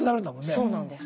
そうなんです。